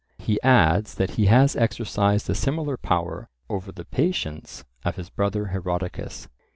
He adds that he has exercised a similar power over the patients of his brother Herodicus.